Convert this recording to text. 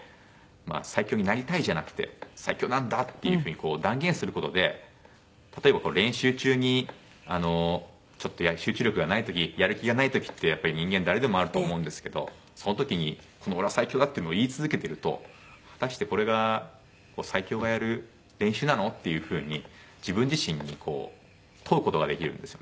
「最強になりたい」じゃなくて「最強なんだ」っていう風に断言する事で例えば練習中にちょっと集中力がない時やる気がない時ってやっぱり人間誰でもあると思うんですけどその時に「オレは最強だ！」っていうのを言い続けてると果たしてこれが最強がやる練習なの？っていう風に自分自身に問う事ができるんですよね。